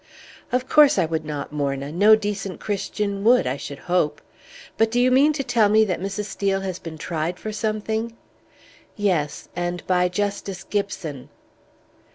"Of course I would not, Morna; no decent Christian would, I should hope! But do you mean to tell me that Mrs. Steel has been tried for something?" "Yes; and by Justice Gibson!"